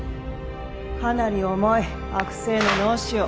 かなり重い悪性の脳腫瘍。